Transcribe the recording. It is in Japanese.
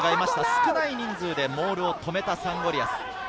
少ない人数でモールを止めたサンゴリアス。